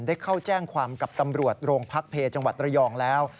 ได้เข้าแจ้งความกับตำรวจโรงพักเพจังหวัดระยองแล้ว